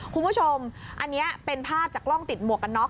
คุณผู้ชมอันนี้เป็นภาพจากกล้องติดหมวกกันน็